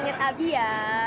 ingat abi ya